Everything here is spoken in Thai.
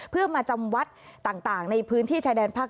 เพื่อมาจำวัดต่างในพื้นที่ชายแดนภาค